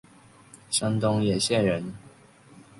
山东掖县人。